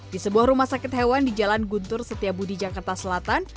di sebuah rumah sakit hewan di jalan guntur setiabudi jakarta selatan